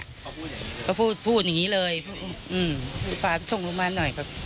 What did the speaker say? เขาพูดอย่างนี้เขาพูดพูดอย่างงี้เลยอืมพาไปส่งโรงพยาบาลหน่อยครับ